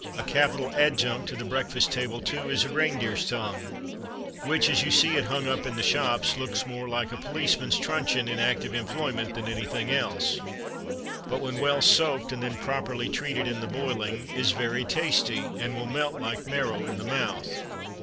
A capital adjunct to the breakfast table, too, is a reindeer's tongue, which, as you see it hung up in the shops, looks more like a policeman's truncheon in active employment than anything else; but when well soaked and then properly treated in the boiling, is very tasty, and will melt like marrow in the mouth.